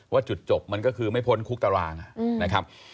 ว่าจุดจบมันก็คือไม่พ้นคุกตารางนะครับ